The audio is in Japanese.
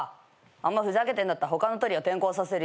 あんまふざけてんだったら他のトリオ転こうさせるよ。